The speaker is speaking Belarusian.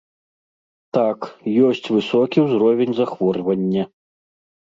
Так, ёсць высокі ўзровень захворвання.